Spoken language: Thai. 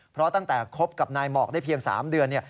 เพราะตั้งแต่คบกับนายหมอกได้เพียง๓เดือน